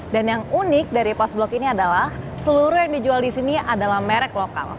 dan yang unik dari pos blok ini adalah seluruh yang dijual di sini adalah merek lokal